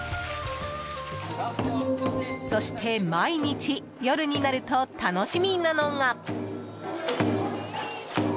そして毎日夜になると楽しみなのが。